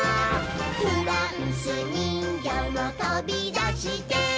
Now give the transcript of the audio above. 「フランスにんぎょうもとびだして」